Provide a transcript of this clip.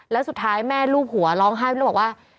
แล้วสุดท้ายแม่ลูบหัวร้องไห้แล้วบอกว่า